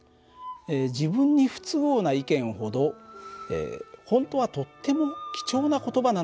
自分に不都合な意見ほど本当はとっても貴重な言葉なのかもしれませんよ。